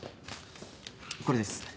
これです。